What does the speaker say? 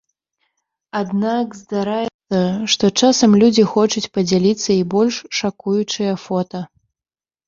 Аднак здараецца, што часам людзі хочуць падзяліцца і больш шакуючыя фота.